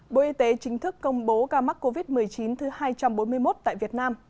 bộ y tế chính thức công bố ca mắc covid một mươi chín thứ hai trăm bốn mươi một tại việt nam